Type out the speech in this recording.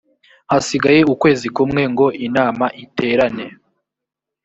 hasigaye ukwezi kumwe ngo inama iterane